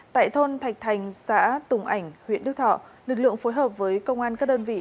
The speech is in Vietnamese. tại thôn thạch thành xã tùng ảnh huyện đức thọ lực lượng phối hợp với công an các đơn vị